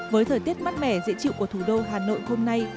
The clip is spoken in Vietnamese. với thời tiết mát mẻ dễ chịu của thủ đô hà nội hôm nay